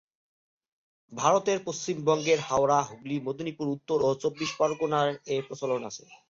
ভারতের পশ্চিমবঙ্গের হাওড়া, হুগলি, মেদিনীপুর, উত্তর ও দক্ষিণ চব্বিশ পরগনায় এর প্রচলন আছে।